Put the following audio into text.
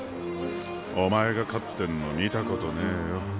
お前が勝ってんの見たことねぇよ。